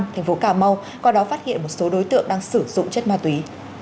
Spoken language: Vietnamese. thành phố cà mau qua đó phát hiện một số đối tượng đang sử dụng chất ma túy